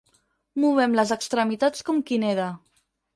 Movem les extremitats com qui neda.